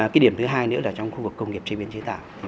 cái điểm thứ hai nữa là trong khu vực công nghiệp chế biến chế tạo